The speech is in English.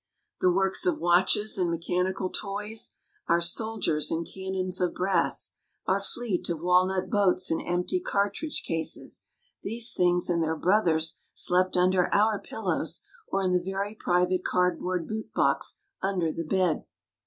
The works of watches and mechanical toys, our soldiers and cannon of brass, our fleet of walnut boats and empty cartridge cases these things and their brothers slept under our pillows or in the very private card board boot box under the bed.